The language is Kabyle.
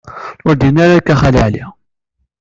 Ur d-yenni ara akka Xali Ɛli.